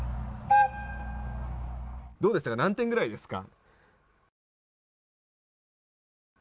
どうでしたか何点ぐらいですか。